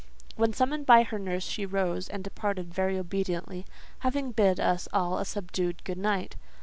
When summoned by her nurse she rose and departed very obediently, having bid us all a subdued good night.